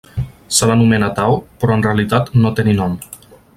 Se l'anomena Tao però en realitat no té ni nom.